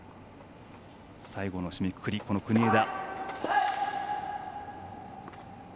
最後の締めくくり、国枝。